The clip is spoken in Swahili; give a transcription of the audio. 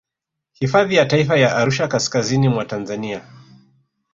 Hifadhi ya taifa ya Arusha kaskazini mwa Tanzania